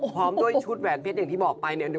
พร้อมด้วยชุดแหวนเพชรอย่างที่บอกไปเนี่ย